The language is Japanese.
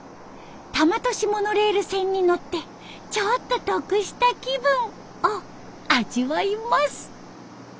多摩都市モノレール線に乗って「ちょっと得した気分」を味わいます。